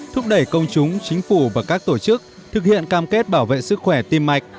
thúc đẩy công chúng chính phủ và các tổ chức thực hiện cam kết bảo vệ sức khỏe tim mạch